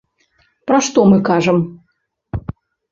Пра што мы кажам?